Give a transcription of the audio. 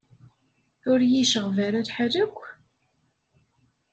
Ur y-iceɣɣeb ara lḥal akk.